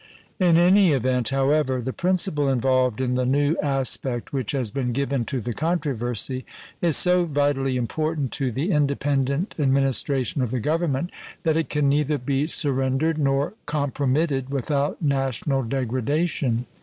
In any event, however, the principle involved in the new aspect which has been given to the controversy is so vitally important to the independent administration of the Government that it can neither be surrendered nor compromitted without national degradation.